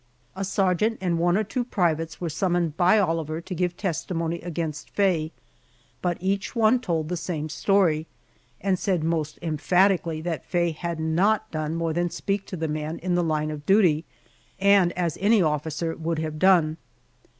A sergeant and one or two privates were summoned by Oliver to give testimony against Faye, but each one told the same story, and said most emphatically that Faye had not done more than speak to the man in the line of duty, and as any officer would have done.